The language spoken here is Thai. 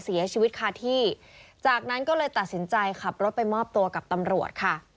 เสียชีวิตคาที่จากนั้นก็เลยตัดสินใจขับรถไปมอบตัวกับตำรวจค่ะ